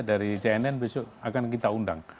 dari cnn besok akan kita undang